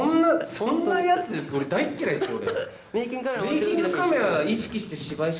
そんなやつ大嫌いです俺。